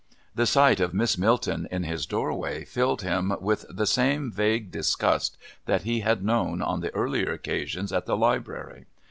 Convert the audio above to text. The sight of Miss Milton in his doorway filled him with the same vague disgust that he had known on the earlier occasions at the Library.